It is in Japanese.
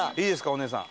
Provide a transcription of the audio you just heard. お姉さん。